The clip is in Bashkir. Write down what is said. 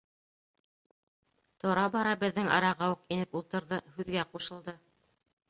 Тора-бара беҙҙең араға уҡ инеп ултырҙы, һүҙгә ҡушылды.